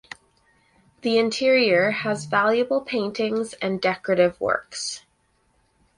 The interior has valuable paintings and decorative works.